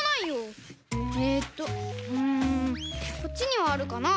えっとうんこっちにはあるかな？